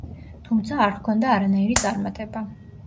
თუმცა არ ჰქონდა არანაირი წარმატება.